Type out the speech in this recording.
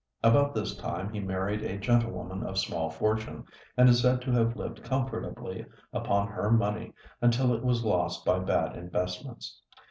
About this time he married a gentlewoman of small fortune, and is said to have lived comfortably upon her money until it was lost by bad investments.